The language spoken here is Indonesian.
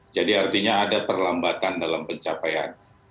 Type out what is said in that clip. jadi artinya ada perlambatan dalam pencapaian